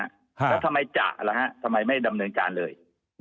แล้วทำไมจะล่ะฮะทำไมไม่ดำเนินการเลย